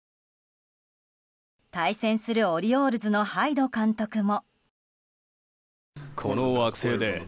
対戦するオリオールズのハイド監督も。